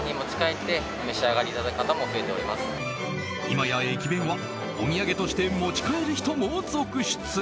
今や駅弁はお土産として持ち帰る人も続出。